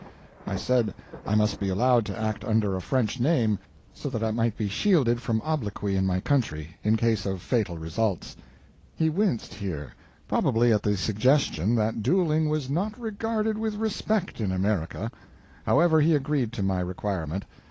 I said I must be allowed to act under a French name, so that I might be shielded from obloquy in my country, in case of fatal results. He winced here, probably at the suggestion that dueling was not regarded with respect in America. However, he agreed to my requirement.